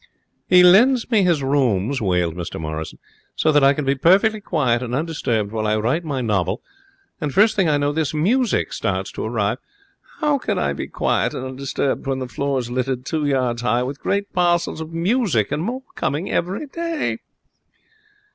'He lends me his rooms,' wailed Mr Morrison, 'so that I can be perfectly quiet and undisturbed while I write my novel, and, first thing I know, this music starts to arrive. How can I be quiet and undisturbed when the floor's littered two yards high with great parcels of music, and more coming every day?'